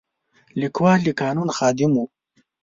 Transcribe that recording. لیکوال د قانون خادم و.